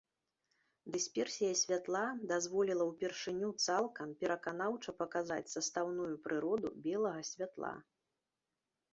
Дысперсія святла дазволіла ўпершыню цалкам пераканаўча паказаць састаўную прыроду белага святла.